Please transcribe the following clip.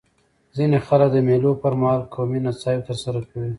ځيني خلک د مېلو پر مهال قومي نڅاوي ترسره کوي.